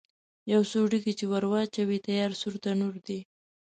یو څو ډکي چې ور واچوې، تیار سور تنور دی.